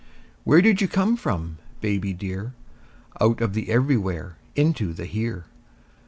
_ Where did you come from, baby dear? Out of the everywhere into here.